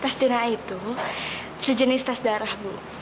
tes dna itu sejenis tes darah bu